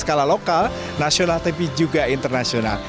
skala lokal nasional tapi juga internasional